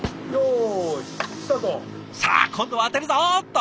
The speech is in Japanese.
さあ今度は当てるぞっと。